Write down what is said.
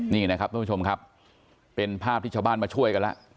นี่นะครับทุกผู้ชมครับเป็นภาพที่ชาวบ้านมาช่วยกันแล้ว